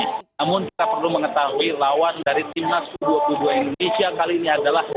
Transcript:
namun kita perlu mengetahui lawan dari timnas u dua puluh dua indonesia kali ini adalah